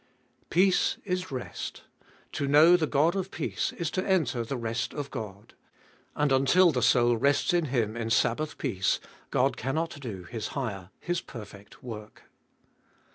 1. Peace Is rest. To know the God of peace Is to enter the rest of God. And until the soul rests in Him In Sabbath peace, God cannot do His higher, His perfect worh.